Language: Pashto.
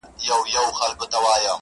د وجود غړي د هېواد په هديره كي پراته.